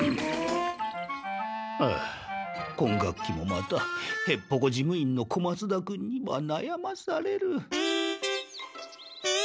ああ今学期もまたへっぽこ事務員の小松田君にはなやまされる。